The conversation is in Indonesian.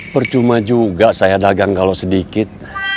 percuma juga saya dagang kalau sedikit